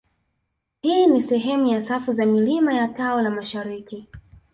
Hii ni sehemu ya safu za milima ya tao la mashariki